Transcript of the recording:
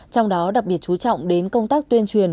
trong đó đặc biệt chú trọng đến công tác tuyên truyền